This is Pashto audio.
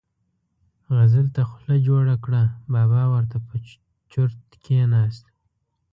غزل ته خوله جوړه کړه، بابا ور ته په چرت کېناست.